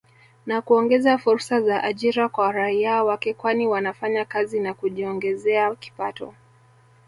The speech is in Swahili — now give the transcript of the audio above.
Na kuongeza fursa za ajira kwa raia wake kwani wanafanya kazi na kujiongezea kipato